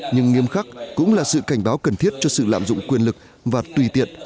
nhưng nghiêm khắc cũng là sự cảnh báo cần thiết cho sự lạm dụng quyền lực và tùy tiện